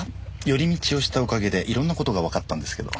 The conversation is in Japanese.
寄り道をしたおかげでいろんな事がわかったんですけど。